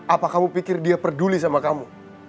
apa kamu pikir dia peduli sama kamu